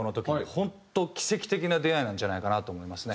本当奇跡的な出会いなんじゃないかなと思いますね。